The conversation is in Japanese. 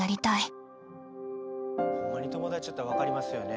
ホンマに友達やったら分かりますよね。